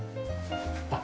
あっ！